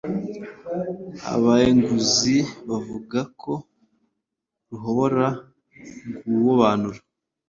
abaeenguzi bavuga ko ruhobora guobanura